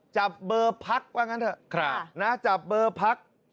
จับเบอร์พักว่างั้นเถอะ